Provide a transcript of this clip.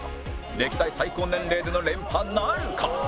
歴代最高年齢での連覇なるか？